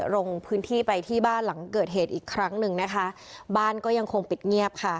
ลงพื้นที่ไปที่บ้านหลังเกิดเหตุอีกครั้งหนึ่งนะคะบ้านก็ยังคงปิดเงียบค่ะ